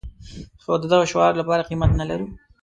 خو د دغه شعار لپاره قيمت نه لرو.